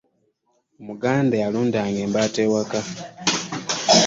omuganda yaludanga embata ewaka